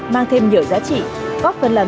mang thêm nhiều giá trị góp phần lắm